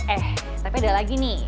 eh tapi ada lagi nih